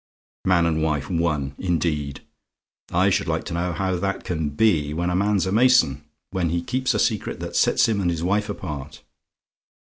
Man and wife one, indeed! I should like to know how that can be when a man's a mason when he keeps a secret that sets him and his wife apart?